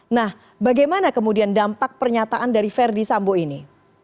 nah bagaimana kemudian dampak pernyataan dari verdi sambo ini